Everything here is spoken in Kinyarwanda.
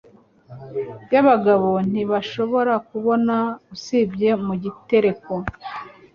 y'abagabo ntibashobora kubona usibye mu gitereko